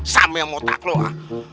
sama yang otak lo ha